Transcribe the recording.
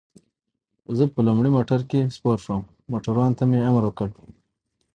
زه په لومړي موټر کې سپور شوم، موټروان ته مې امر وکړ.